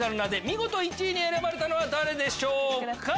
見事１位に選ばれたのは誰でしょうか？